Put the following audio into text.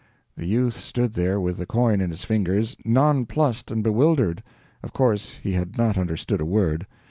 The youth stood there with the coin in his fingers, nonplused and bewildered; of course he had not understood a word.